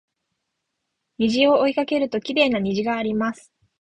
虹を追いかけるときれいな虹があります